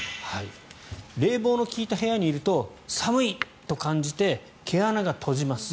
冷房の利いた部屋にいると寒い！と感じて毛穴が閉じます。